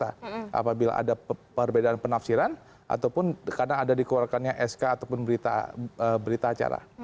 apabila ada perbedaan penafsiran ataupun karena ada dikeluarkannya sk ataupun berita acara